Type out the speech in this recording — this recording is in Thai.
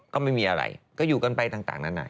ก็ไม่มีอะไรก็อยู่กันไปต่างนานา